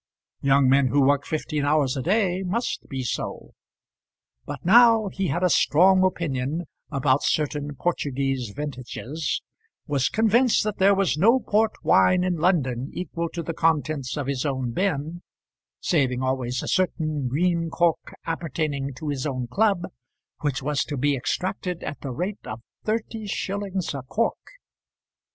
Young men who work fifteen hours a day must be so. But now he had a strong opinion about certain Portuguese vintages, was convinced that there was no port wine in London equal to the contents of his own bin, saving always a certain green cork appertaining to his own club, which was to be extracted at the rate of thirty shillings a cork.